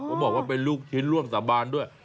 ผมบอกว่าเป็นลูกชิ้นร่วมสาบานด้วย